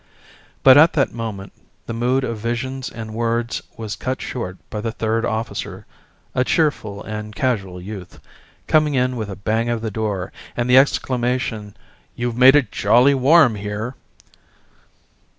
But at that moment the mood of visions and words was cut short by the third officer, a cheerful and casual youth, coming in with a bang of the door and the exclamation: "You've made it jolly warm in here."